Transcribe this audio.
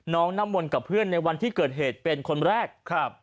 น้องนามนกับเพื่อนในวันที่เกิดเหตุเป็นคนแรก